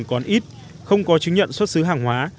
hợp đồng còn ít không có chứng nhận xuất xứ hàng hóa